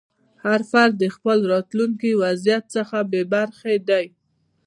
هر فرد د خپل راتلونکي وضعیت څخه بې خبره دی.